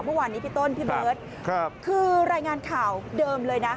เมื่อวานนี้พี่ต้นพี่เบิร์ตคือรายงานข่าวเดิมเลยนะ